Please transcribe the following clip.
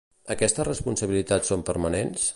Aquestes responsabilitats són permanents?